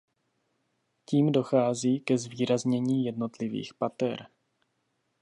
Tím dochází ke zvýraznění jednotlivých pater.